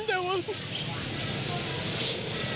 แต่ว่า